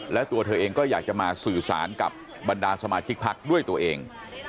และตัวเธอเองก็อยากจะมาสื่อสารกับบรรดาสมาชิกพักด้วยตัวเอง